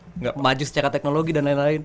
tidak maju secara teknologi dan lain lain